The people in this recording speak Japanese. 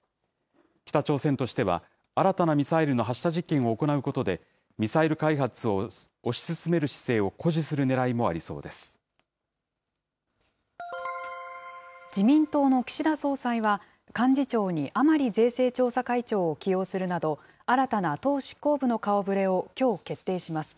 北朝鮮としては、新たなミサイルの発射実験を行うことで、ミサイル開発を推し進める姿勢を誇示す自民党の岸田総裁は、幹事長に甘利税制調査会長を起用するなど、新たな党執行部の顔ぶれをきょう決定します。